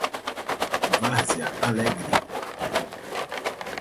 Várzea Alegre